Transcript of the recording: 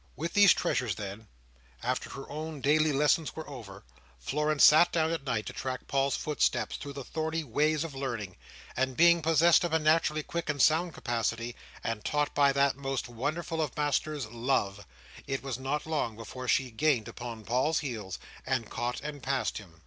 With these treasures then, after her own daily lessons were over, Florence sat down at night to track Paul's footsteps through the thorny ways of learning; and being possessed of a naturally quick and sound capacity, and taught by that most wonderful of masters, love, it was not long before she gained upon Paul's heels, and caught and passed him.